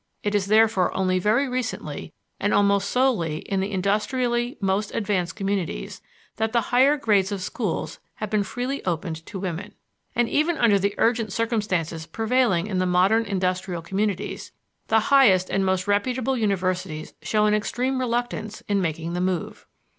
It is therefore only very recently, and almost solely in the industrially most advanced communities, that the higher grades of schools have been freely opened to women. And even under the urgent circumstances prevailing in the modern industrial communities, the highest and most reputable universities show an extreme reluctance in making the move.